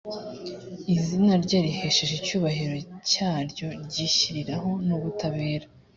izina rye ryihesheje icyubahiro cyaryo ryishyiriraho n’ubutabera